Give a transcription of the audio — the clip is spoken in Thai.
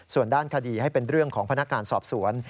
ส่วนด้านคดีให้เป็นเรื่องของพนักงานสอบสวน